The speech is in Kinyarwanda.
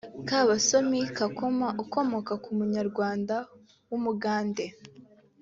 Kabasomi Kakoma (ukomoka ku munyarwanda n’Umugande)